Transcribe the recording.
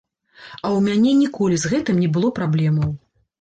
А ў мяне ніколі з гэтым не было праблемаў.